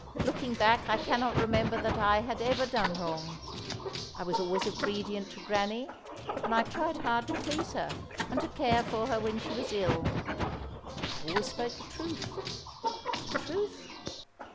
Looking back I cannot remember that I had ever done wrong. I was always obedient to Granny, and I tried hard to please her, and to care for her when she was ill. I always spoke the truth. The truth?